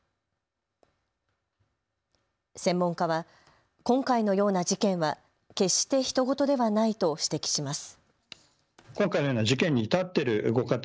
専門家は今回のような事件は決してひと事ではないと指摘します。